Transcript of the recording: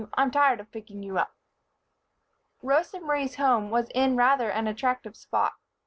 I'm tired of picking you up." Rosa Marie's home was in rather an attractive spot.